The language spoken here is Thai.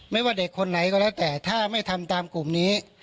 ว่าเด็กคนไหนก็แล้วแต่ถ้าไม่ทำตามกลุ่มนี้